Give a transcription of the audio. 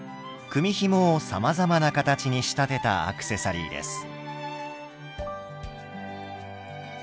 組みひもをさまざまな形に仕立てたアクセサリーです。